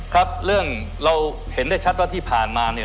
ครับเรื่องเราเห็นได้ชัดว่าที่ผ่านมาเนี่ย